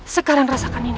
sekarang rasakan ini